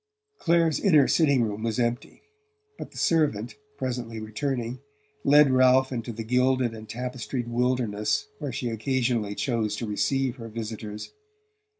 Clare's inner sitting room was empty; but the servant, presently returning, led Ralph into the gilded and tapestried wilderness where she occasionally chose to receive her visitors.